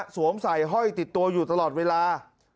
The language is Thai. สวมใส่ห้อยติดตัวอยู่ตลอดเวลา